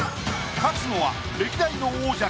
勝つのは歴代の王者か？